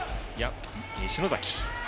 篠崎。